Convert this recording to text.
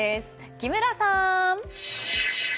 木村さん。